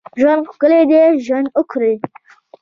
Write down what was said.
ژوند ښکلی دی ، ژوند وکړئ